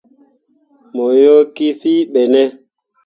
Mo ye kii fìi ɓe ne ?